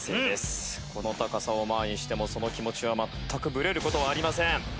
この高さを前にしてもその気持ちは全くぶれる事はありません。